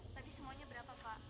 tadi semuanya berapa pak